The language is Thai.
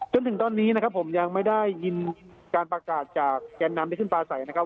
จนถึงตอนนี้นะครับผมยังไม่ได้ยินการประกาศจากแกนนำที่ขึ้นปลาใสนะครับ